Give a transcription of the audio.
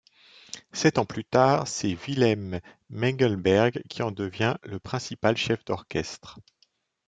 Sept ans plus tard, c'est Willem Mengelberg qui en devient le principal chef d'orchestre.